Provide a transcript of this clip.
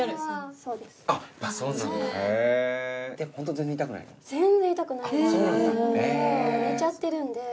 そう寝ちゃってるんで。